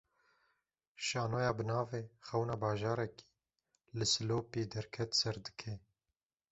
Şanoya bi navê "Xewna Bajarekî", li Silopî derket ser dikê